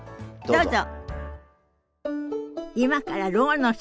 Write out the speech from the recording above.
どうぞ。